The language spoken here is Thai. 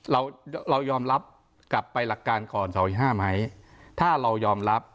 เราเรายอมรับกลับไปหลักการก่อนสองอีกห้าไหมถ้าเรายอมรับ